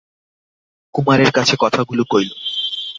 কুমারের কাছে কথাগুলো কইল।